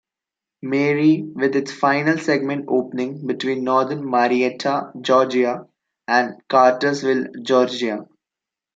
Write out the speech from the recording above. Marie with its final segment opening between northern Marietta, Georgia, and Cartersville, Georgia.